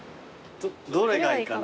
どれがいいかな。